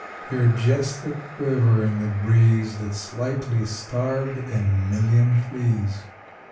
You're jest a quiver in the breeze That's likely starved a million fleas.